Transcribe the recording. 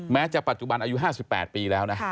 แม้จะปัจจุบันอายุ๕๘ปีแล้วนะ